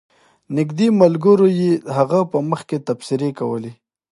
نږدې ملګرو یې د هغه په مخ کې تبصرې کولې.